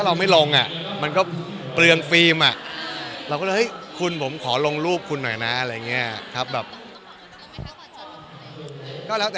เออชังว่าแฟนเราทำได้หลายอย่าง